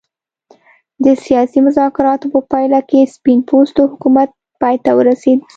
د سیاسي مذاکراتو په پایله کې سپین پوستو حکومت پای ته ورسېد.